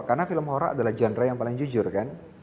karena film horror adalah genre yang paling jujur kan